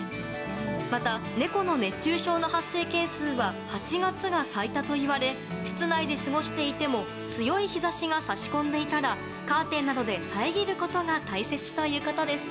また、猫の熱中症の発生件数は８月が最多といわれ室内で過ごしていても強い日差しが差し込んでいたらカーテンなどで遮ることが大切ということです。